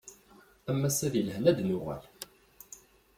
Am wass-a di lehna ad d-nuɣal.